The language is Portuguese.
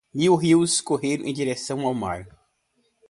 Mil rios correm em direção ao mar